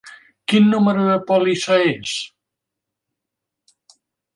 Quin número de pòlissa és?